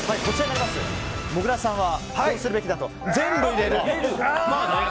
もぐらさんは、こうするべきだと。